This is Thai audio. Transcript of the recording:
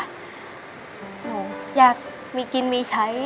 หนูอยากมีกินมีใช้